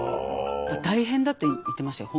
大変だって言ってましたよ